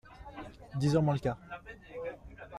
Dix heures moins le quart.